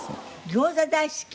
餃子大好き？